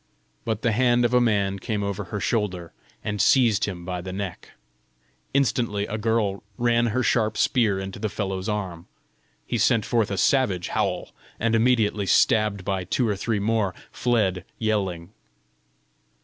But the hand of a man came over her shoulder, and seized him by the neck. Instantly a girl ran her sharp spear into the fellow's arm. He sent forth a savage howl, and immediately stabbed by two or three more, fled yelling.